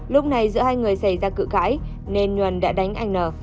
lúc này giữa hai người xảy ra cự cãi nên nhuần đã đánh anh n